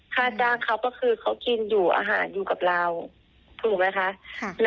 ค่าจ้างเขาก็คือเขากินอยู่อาหารอยู่กับเราถูกไหมคะ